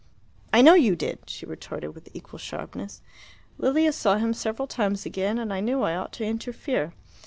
"I know you did," she retorted with equal sharpness. "Lilia saw him several times again, and I knew I ought to interfere.